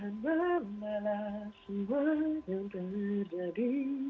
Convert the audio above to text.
semoga tuhan mengalah semua yang terjadi